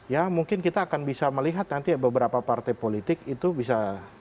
ya mungkin kita akan bisa melihat nanti beberapa partai politik itu bisa